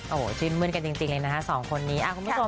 โอ้โหชิ้นเมื่อนกันจริงเลยนะคะสองคนนี้